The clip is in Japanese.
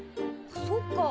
そっか。